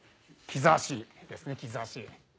「兆し」ですね兆し。